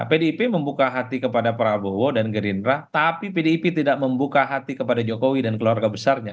pdip membuka hati kepada prabowo dan gerindra tapi pdip tidak membuka hati kepada jokowi dan keluarga besarnya